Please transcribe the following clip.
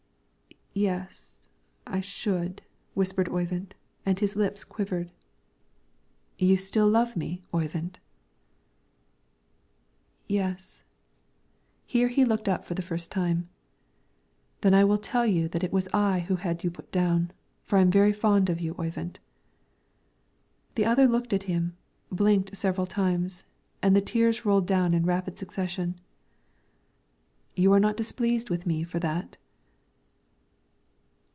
"Yes, I should," whispered Oyvind, and his lips quivered. "You still love me, Oyvind?" "Yes;" here he looked up for the first time. "Then I will tell you that it was I who had you put down; for I am very fond of you, Oyvind." The other looked at him, blinked several times, and the tears rolled down in rapid succession. "You are not displeased with me for that?"